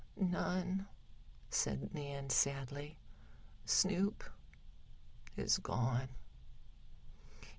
"None," said Nan sadly. "Snoop is gone."